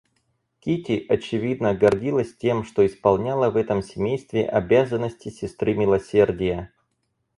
Кити, очевидно, гордилась тем, что исполняла в этом семействе обязанности сестры милосердия.